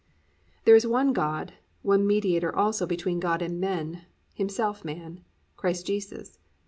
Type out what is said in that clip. "There is one God, one mediator also between God and men, himself man, Christ Jesus."